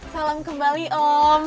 salam kembali om